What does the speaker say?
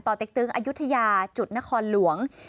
เต็กตึงอายุทยาจุดนครหลวง